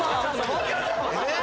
えっ！